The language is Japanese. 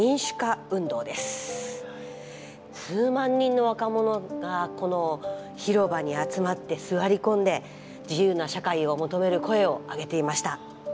数万人の若者がこの広場に集まって座り込んで自由な社会を求める声を上げていました。